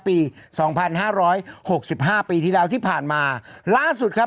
ปีสองพันห้าร้อยหกสิบห้าปีที่แล้วที่ผ่านมาล่าสุดครับ